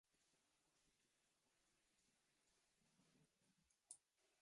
Estaba constituido por la freguesía de la sede.